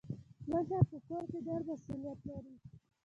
مشر په کور کي ډير مسولیت لري.